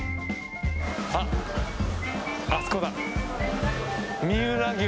あっ、あそこだ。